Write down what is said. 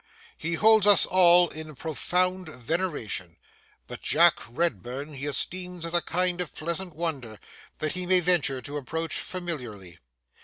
He holds us all in profound veneration; but Jack Redburn he esteems as a kind of pleasant wonder, that he may venture to approach familiarly.